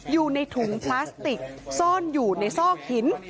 อยู่ในถุงพลาสติกซ่อนอยู่ในซอกหิน